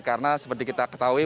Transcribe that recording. karena seperti kita ketahui